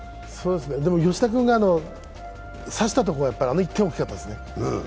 でも吉田君が刺したとこ、あれが大きかったですね。